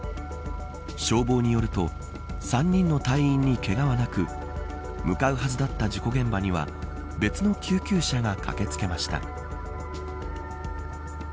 消防によると３人の隊員にけがはなく向かうはずだった事故現場には別の救急車が駆け付けました。